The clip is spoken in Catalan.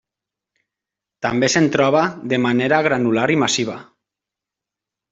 També se'n troba de manera granular i massiva.